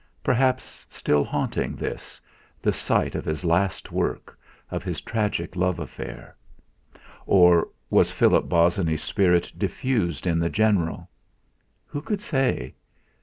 Perhaps, still haunting this, the site of his last work, of his tragic love affair. Or was Philip Bosinney's spirit diffused in the general? Who could say?